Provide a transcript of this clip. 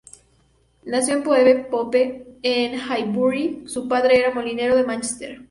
Nació Phoebe Pope en Highbury, su padre era molinero de Mánchester.